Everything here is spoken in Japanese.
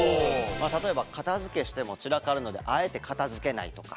例えば片づけしても散らかるのであえて片づけないとか。